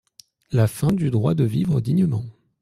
La fin du droit de vivre dignement ».